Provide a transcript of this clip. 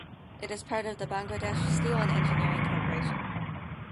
It is part of the Bangladesh Steel and Engineering Corporation.